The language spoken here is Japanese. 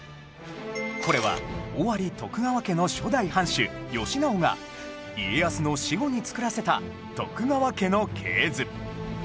これは尾張徳川家の初代藩主義直が家康の死後に作らせた徳川家の系図